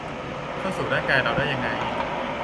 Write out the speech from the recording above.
เข้าสู่ร่างกายเราได้ยังไง